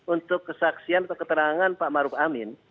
untuk kesaksian atau keterangan pak maruf amin